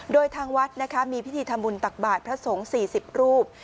โดยทางวัดนะคะมีพิธีทำบุญตักบาทพระสงฆ์๔๐รูป